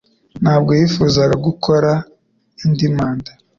Ntabwo yifuzaga gukora indi manda